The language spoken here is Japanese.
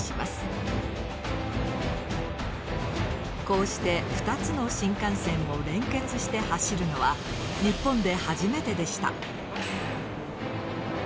こうして２つの新幹線を連結して走るのは日本で初めてでした。